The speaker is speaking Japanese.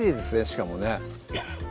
しかもね